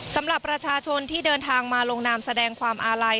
สำหรับประชาชนที่เดินทางมาลงนามแสดงความอาลัย